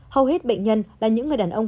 hầu hết bệnh nhân là những người đàn ông